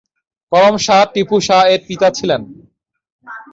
করম শাহ টিপু শাহ-এর পিতা ছিলেন।